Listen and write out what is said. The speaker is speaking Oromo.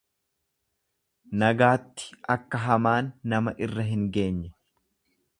Nagaatti akka hamaan nama irra hin geenye.